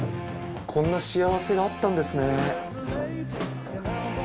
こんな幸せがあったんですね。